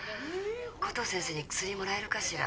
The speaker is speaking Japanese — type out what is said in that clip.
コトー先生に薬もらえるかしら。